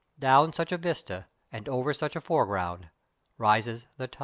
Down such a vista, and over such a foreground, rises the Taj.